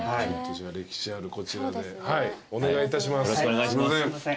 歴史あるこちらでお願いいたします。